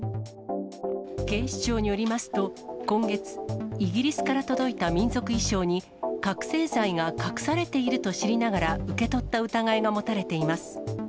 警視庁によりますと、今月、イギリスから届いた民族衣装に、覚醒剤が隠されていると知りながら、受け取った疑いが持たれています。